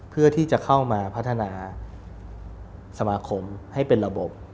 เพื่อที่จะเข้ามาพัฒนาสมาคมให้เป็นระบบ